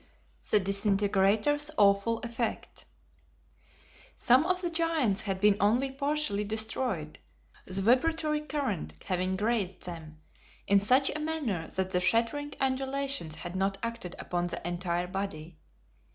The Disintegrators' Awful Effect. Some of the giants had been only partially destroyed, the vibratory current having grazed them, in such a manner that the shattering undulations had not acted upon the entire body.